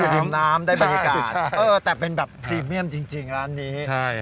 ดื่มน้ำได้บรรยากาศแต่เป็นแบบพรีเมียมจริงร้านนี้ใช่